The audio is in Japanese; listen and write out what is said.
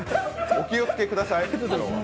お気をつけください。